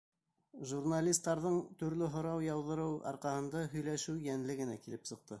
Журналистарҙың төрлө һорау яуҙырыуы арҡаһында һөйләшеү йәнле генә килеп сыҡты.